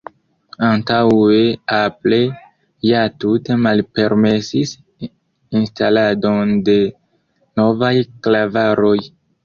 Antaŭe Apple ja tute malpermesis instaladon de novaj klavaroj.